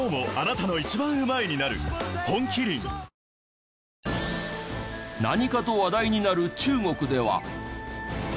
本麒麟何かと話題になる中国では。